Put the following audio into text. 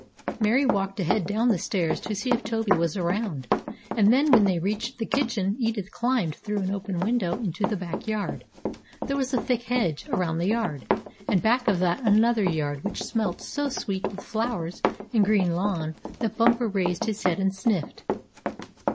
Mary walked ahead down the stairs to see if Toby was around, and then when they reached the kitchen Edith climbed through an open window into the backyard. There was a thick hedge around the yard, and back of that another yard which smelt so sweet with flowers and green lawn that Bumper raised his head and sniffed.